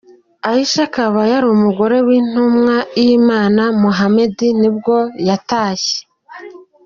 Aisha, akaba yari umugore w’intumwa y’Imana Mohammed nibwo yatashye.